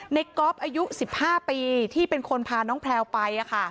เน็กก๊อล์ฟอายุ๑๕ปีที่เป็นคนพาน้องแพรวไปค่ะ